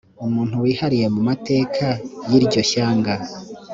umuntu wihariye mu mateka y iryo shyanga